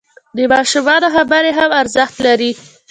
د ماشومانو خبرې هم ارزښت لري.